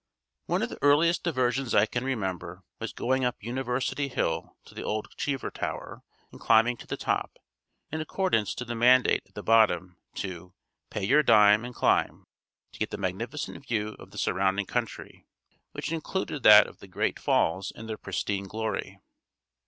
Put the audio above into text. One of the earliest diversions I can remember was going up University hill to the old Cheever tower and climbing to the top, in accordance to the mandate at the bottom, to "Pay your Dime and Climb," to get the magnificent view of the surrounding country, which included that of the great falls in their pristine glory.